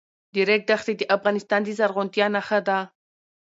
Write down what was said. د ریګ دښتې د افغانستان د زرغونتیا نښه ده.